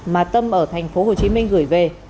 mà tâm ở tp hcm gửi về